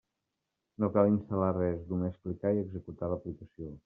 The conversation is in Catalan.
No cal instal·lar res, només clicar i executar l'aplicació.